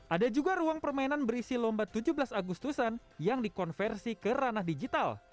ada juga ruang permainan berisi lomba tujuh belas agustusan yang dikonversi ke ranah digital